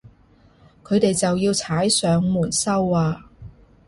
佢哋就要踩上門收啊